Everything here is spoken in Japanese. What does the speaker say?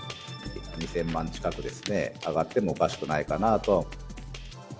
２０００万近くですね、上がってもおかしくないかなあと。